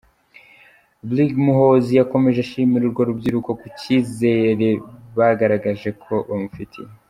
Brig Muhoozi yakomeje ashimira urwo rubyiruko ku cyizerere bagaragaje ko bamufitiye.